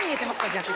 逆に。